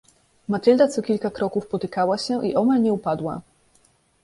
"Matylda co kilka kroków potykała się i omal nie upadła."